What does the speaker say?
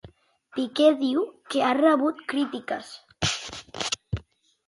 Piqué diu que ha rebut crítiques?